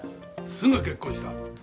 すぐ結婚した！